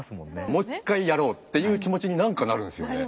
もう一回やろうっていう気持ちに何かなるんですよね。